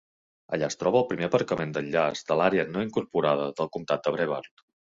Allà es troba el primer aparcament d'enllaç de l'àrea no incorporada del comtat de Brevard.